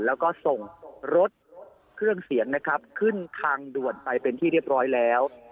แล้วก็ส่งรถเครื่องเสียงนะครับขึ้นทางด่วนไปเป็นที่เรียบร้อยแล้ว